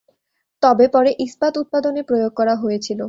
তবে পরে ইস্পাত উৎপাদনে প্রয়োগ করা হয়েছিল।